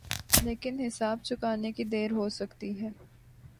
لیکن حساب چکانے کی دیر ہو سکتی ہے۔